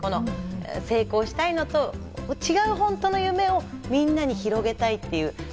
成功したいのと違う本当の夢をみんなに広げたいっていう。